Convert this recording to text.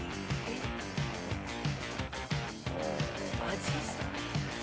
アジサイ。